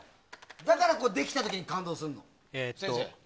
だから、できたときに感動するの。